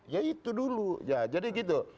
ya itu dulu ya jadi gitu